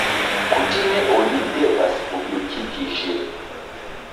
Kutime oni devas publikigi ĝin.